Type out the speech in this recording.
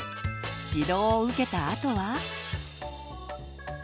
指導を受けたあとは。